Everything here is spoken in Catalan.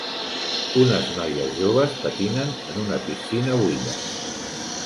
Unes noies joves patinen en una piscina buida.